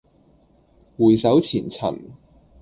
回首前塵